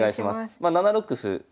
まあ７六歩。